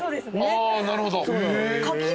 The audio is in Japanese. あなるほど。